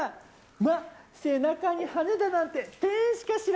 まぁ、背中に羽だなんて、天使かしら？